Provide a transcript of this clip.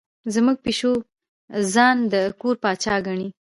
زموږ پیشو ځان د کور پاچا ګڼي.